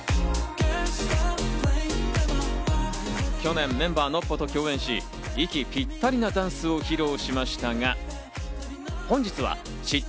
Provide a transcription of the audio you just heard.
去年、メンバー・ＮＯＰＰＯと共演し、息ぴったりなダンスを披露しましたが、本日はｓ＊